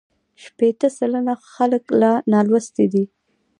شپېته سلنه خلک لا نالوستي دي.